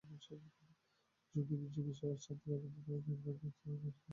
যোগীর পক্ষে শান্তিলাভের প্রধান বিঘ্ন ও উচ্চতম আদর্শের পরিপন্থী হইল এই দেহ।